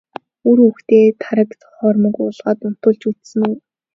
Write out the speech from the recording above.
Үр хүүхдээ тараг хоормог уулгаад унтуулж үзсэн үү?